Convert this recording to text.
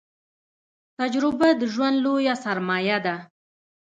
تجربه د ژوند لويه سرمايه ده